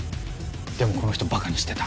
でもこの人バカにしてた。